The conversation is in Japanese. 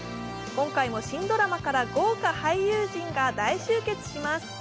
今回も、新ドラマから豪華俳優陣が大集結します。